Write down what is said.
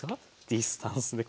ディスタンスで。